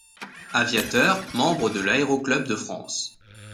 Aviateur, membre de l'Aéro-Club de France.